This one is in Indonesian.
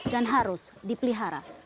dan harus dipelihara